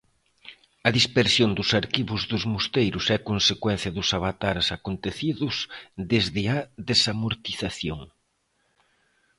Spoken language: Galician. A dispersión dos arquivos dos mosteiros é consecuencia dos avatares acontecidos desde a desamortización.